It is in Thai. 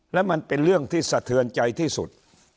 และมันเป็นเรื่องที่สะเทือนใจที่สุด